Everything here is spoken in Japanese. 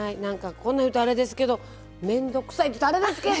こんな言うとあれですけど面倒くさいって言ったらあれですけど！